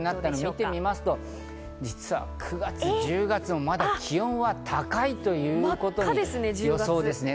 見てみますと、実は９月１０月、まだ気温は高いということに。